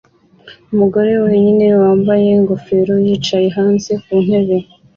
Umugore wenyine wambaye ingofero yicaye hanze ku ntebe